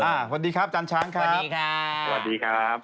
อ่าสวัสดีครับจานช้างครับสวัสดีครับสวัสดีครับ